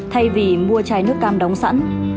thay vì mua chai nước cam đóng sẵn